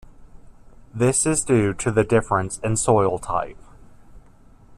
This is due to the difference in soil type.